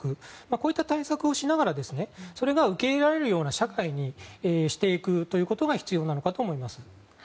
こういった対策をしながらそれが受け入れられるような社会にしていくことが必要なのかと思います。